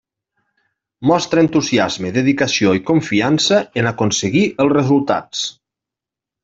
Mostra entusiasme, dedicació i confiança en aconseguir els resultats.